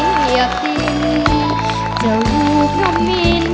ขอบคุณครับ